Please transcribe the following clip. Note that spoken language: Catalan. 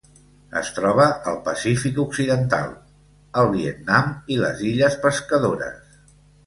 Es troba al Pacífic occidental: el Vietnam i les illes Pescadores.